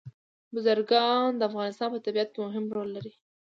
بزګان د افغانستان په طبیعت کې مهم رول لري.